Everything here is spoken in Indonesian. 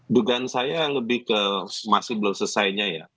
dugaan saya lebih ke masih belum selesainya ya